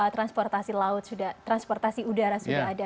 transportasi udara sudah ada